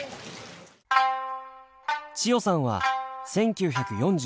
千代さんは１９４３年生まれ。